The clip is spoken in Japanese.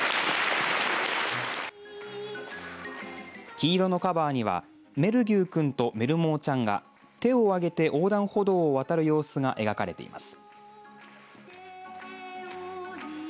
黄色のカバーにはメルギューくんとメルモモちゃんが手を上げて横断歩道を渡る様子が描かれています。